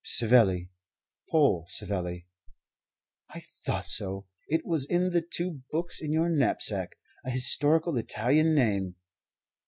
"Savelli. Paul Savelli." "I thought so. It was in the two books in your knapsack. A historical Italian name."